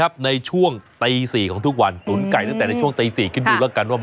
บางคนบอกว่าน่องไก่อยู่ไหนเห็นแต่วิญญาณไก่